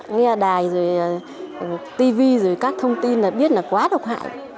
nghe đài rồi tv rồi các thông tin là biết là quá độc hại